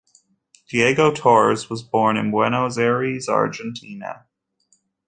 Diego Torres was born in Buenos Aires, Argentina.